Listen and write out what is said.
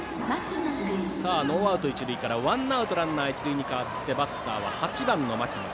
ノーアウト一塁からワンアウトランナー一塁に変わってバッターは８番、牧野。